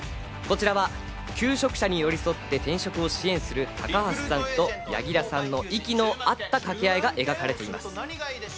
こちらは求職者に寄り添って転職を支援する高橋さんと柳楽さんの息の合った掛け合いが描かれています。